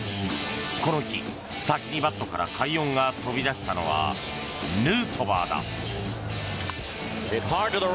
この日、先にバットから快音が飛び出したのはヌートバーだ。